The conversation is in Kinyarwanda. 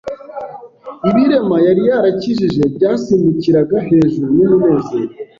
Ibirema yari yarakijije byasimbukiraga hejuru n'umunezero,